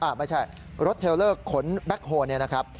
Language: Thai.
ไม่ใช่รถเทลเลอร์ขนแบ็คโฮลเนี่ยนะครับ